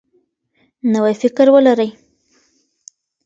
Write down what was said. نوی فکر ولرئ.